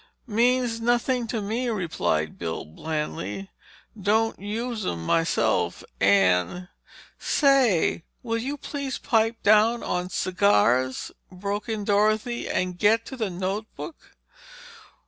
"Means nothing to me," replied Bill blandly. "Don't use 'em myself and—" "Say, will you please pipe down on cigars—" broke in Dorothy, "and get to the notebook?"